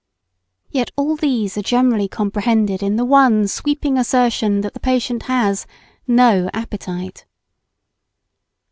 Yet all these are generally comprehended in the one sweeping assertion that the patient has "no appetite."